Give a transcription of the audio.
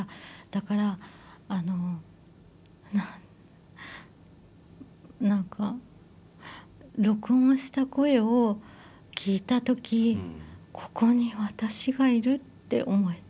だから何か録音した声を聞いた時ここに私がいるって思えたんです。